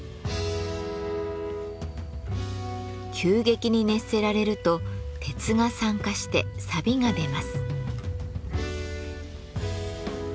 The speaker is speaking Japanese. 急激に熱せられると鉄が酸化してさびが出ます。